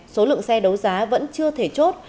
số lượng xe đấu giá vẫn chưa thể chốt